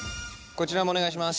こちらもお願いします。